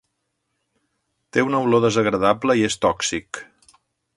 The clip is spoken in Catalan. Té una olor desagradable i és tòxic.